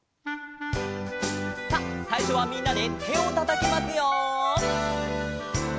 さあさいしょはみんなでてをたたきますよ。